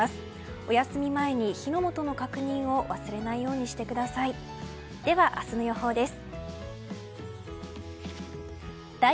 おやすみ前に火の元の確認を忘れないようにしてください。